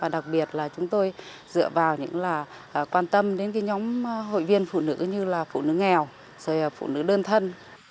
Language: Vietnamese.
đặc biệt là chúng tôi dựa vào những là quan tâm đến nhóm hội viên phụ nữ như là phụ nữ nghèo phụ nữ đơn thân